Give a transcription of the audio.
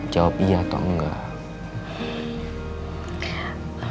jawab iya atau enggak